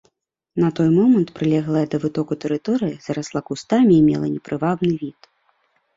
На той момант прылеглая да вытоку тэрыторыя зарасла кустамі і мела непрывабны від.